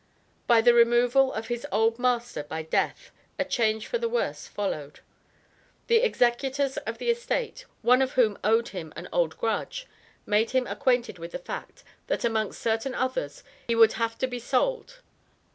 By the removal of his old master by death, a change for the worse followed. The executors of the estate one of whom owed him an old grudge made him acquainted with the fact, that amongst certain others, he would have to be sold.